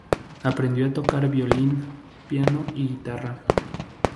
Aprendió a tocar violín, piano y guitarra.